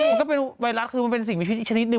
มันก็เป็นไวรัสคือมันเป็นสิ่งมีชีวิตอีกชนิดนึ